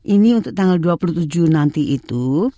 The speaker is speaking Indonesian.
ini untuk tanggal dua puluh tujuh nanti itu